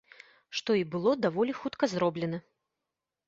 Што і было даволі хутка зроблена.